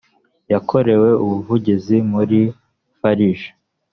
yakorewe ubuvugizi muri farg